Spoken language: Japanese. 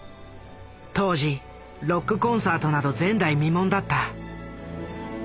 当時ロックコンサートなど前代未聞だった。